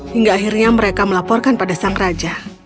hingga akhirnya mereka melaporkan pada sang raja